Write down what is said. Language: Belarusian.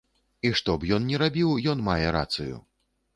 І што б ён ні рабіў, ён мае рацыю.